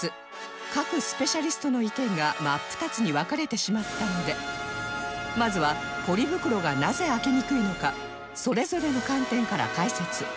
各スペシャリストの意見が真っ二つに分かれてしまったのでまずはポリ袋がなぜ開けにくいのかそれぞれの観点から解説